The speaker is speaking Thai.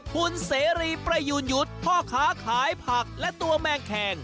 คุณเสรีประยูนยุทธ์พ่อค้าขายผักและตัวแมงแคง